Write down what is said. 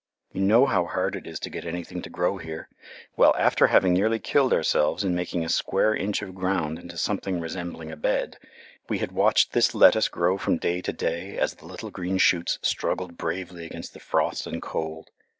You know how hard it is to get anything to grow here. Well, after having nearly killed ourselves in making a square inch of ground into something resembling a bed, we had watched this lettuce grow from day to day as the little green shoots struggled bravely against the frost and cold.